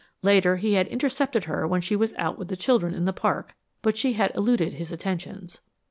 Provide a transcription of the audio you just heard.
Later, he had intercepted her when she was out with the children in the park; but she had eluded his attentions.